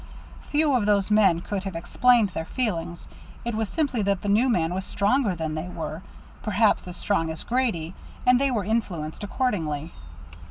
Few of those men could have explained their feelings; it was simply that the new man was stronger than they were, perhaps as strong as Grady, and they were influenced accordingly.